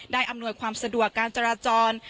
อำนวยความสะดวกการจราจร